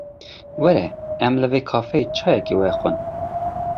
Were em li vê kafeyê çayekê vexwin.